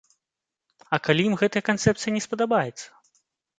А калі ім гэтая канцэпцыя не спадабаецца?